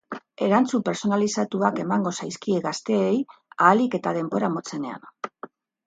Erantzun pertsonalizatuak emango zaizkie gazteei ahalik eta denbora motzenean.